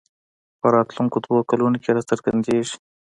په راتلونکو دوو کلونو کې راڅرګندېږي